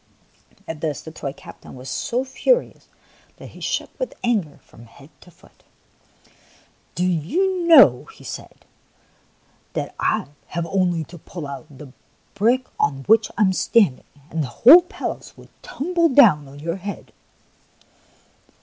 At this the toy captain was so furious that he shook with anger from head to foot. "Do you know," he said, " that I have only to pull out the brick on which I am standing, and the whole palace will tumble down on your head